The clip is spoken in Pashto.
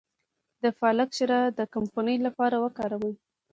د پالک شیره د کمخونۍ لپاره وکاروئ